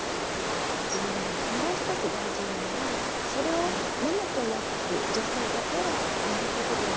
もう一つ大事なのはそれをママとなる女性だけがやることではないと思うんです。